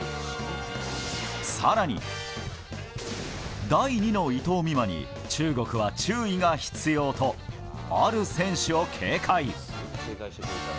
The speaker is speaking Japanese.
更に、第２の伊藤美誠に中国が注意が必要とある選手を警戒。